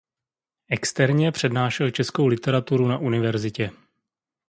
Externě přednášel českou literaturu na univerzitě.